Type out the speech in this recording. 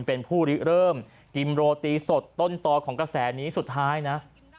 เป็นผู้ริเริ่มกิมโรตีสดต้นต่อของกระแสนี้สุดท้ายนะ